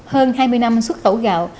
hơn hai mươi năm xuất khẩu gạo